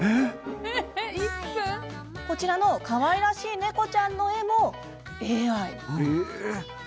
こちらの、かわいらしい猫ちゃんの絵もＡＩ。